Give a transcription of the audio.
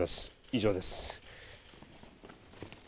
以上です。